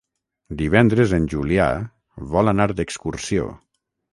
Divendres en Julià vol anar d'excursió.